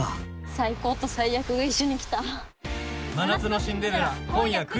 最高と最悪が一緒に来た。